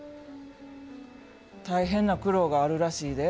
大変な苦労があるらしいで。